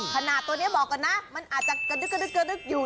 ขนาดตัวนี้บอกกันนะมันอาจจะกระดึกอยู่